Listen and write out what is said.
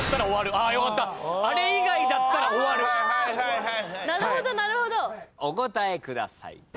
お答えください。